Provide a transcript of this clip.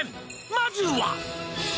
「まずは」